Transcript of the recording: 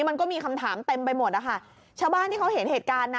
มันก็มีคำถามเต็มไปหมดนะคะชาวบ้านที่เขาเห็นเหตุการณ์นะ